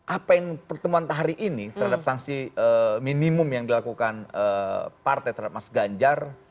apa yang pertemuan entah hari ini terhadap sanksi minimum yang dilakukan partai terhadap mas ganjar